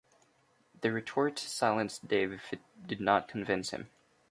The retort silenced Dave if it did not convince him.